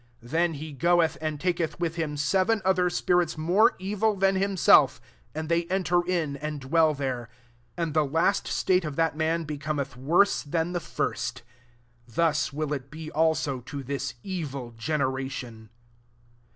45 Then he goelhy and taketh with him aeven other spirits more evil dian himself, and they enter in, and dwell there : and the last state of that man becometh worse than the first. Thus will it he also to this evil generation."